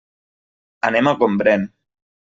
Anem a Gombrèn.